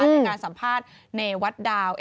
ในการสัมภาษณ์เนวัดดาว